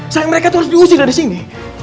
sayang mereka tuh harus diusir dari sini